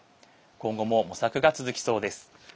今後も模索が続きそうです。